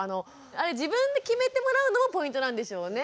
あれ自分で決めてもらうのもポイントなんでしょうね。